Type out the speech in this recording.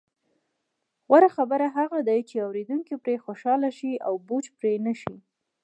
غوره خبرې هغه دي، چې اوریدونکي پرې خوشحاله شي او بوج پرې نه شي.